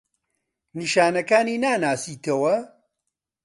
نیشانەکانی ناناسیتەوە؟